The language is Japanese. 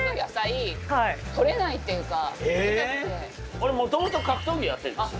俺もともと格闘技やってんですよ。